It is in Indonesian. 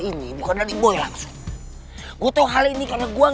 ini jalan tanjung